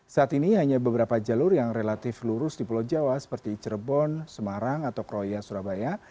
saat ini hanya beberapa jalur yang relatif lurus di pulau jawa seperti cirebon semarang atau kroya surabaya